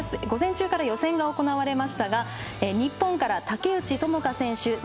午前中から予選が行われましたが日本から竹内智香選手